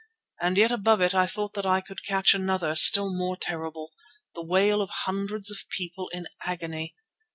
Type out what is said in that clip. And yet above it I thought that I could catch another, still more terrible, the wail of hundreds of people in agony.